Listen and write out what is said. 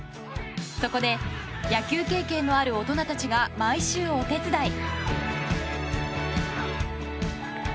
そこで、野球経験のある大人たちが毎週お手伝い。